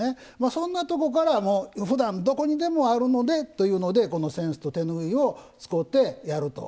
そんなとこから、ふだんどこにでもあるのでということでこの扇子と手ぬぐいを使ってやると。